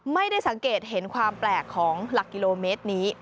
ไม่ได้สังเกตเห็นความแปลกของหลักกิโลเมตรนี้